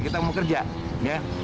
kita mau kerja ya